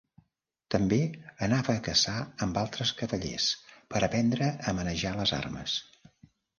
També anava a caçar amb altres cavallers per aprendre a manejar les armes.